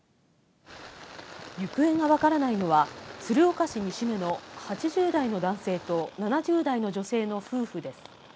行方が分からないのは、鶴岡市西目の８０代の男性と７０代の女性の夫婦です。